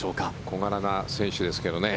小柄な選手ですけどね